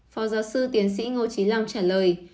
phó giáo sư tiến sĩ ngô trí long trả lời